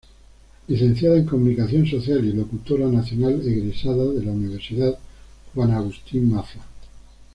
Licenciada en Comunicación Social y Locutora Nacional egresada de la Universidad Juan Agustín Maza.